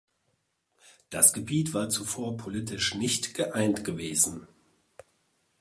Das Gebiet war zuvor politisch nicht geeint gewesen.